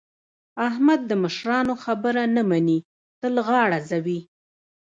احمد د مشرانو خبره نه مني؛ تل غاړه ځوي.